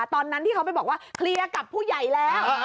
ตอนนั้นที่เขาไปบอกว่าเคลียร์กับผู้ใหญ่แล้ว